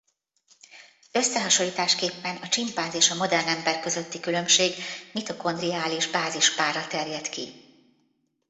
Összehasonlításképpen a csimpánz és a modern ember közötti különbség mitokondriális bázispárra terjed ki.